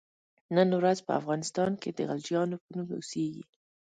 نن ورځ په افغانستان کې د غلجیانو په نوم اوسیږي.